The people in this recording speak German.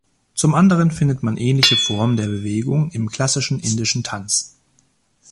Zum anderen findet man ähnliche Formen der Bewegungen im klassischen indischen Tanz.